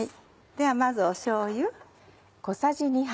ではまずしょうゆ。